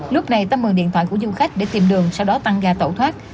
lúc này tâm mừng điện thoại của du khách để tìm đường sau đó tăng ga tẩu thoát